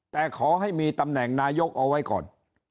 แต่ขอให้มีตำแหน่งนายกเอาไว้ก่อน